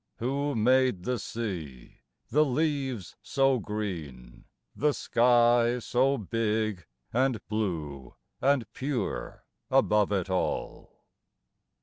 Who made the sea, the leaves so green, the sky So big and blue and pure above it all?